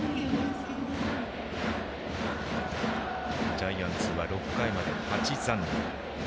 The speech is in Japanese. ジャイアンツは６回まで８残塁。